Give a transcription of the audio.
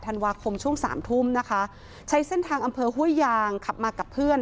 ธันวาคมช่วงสามทุ่มนะคะใช้เส้นทางอำเภอห้วยยางขับมากับเพื่อน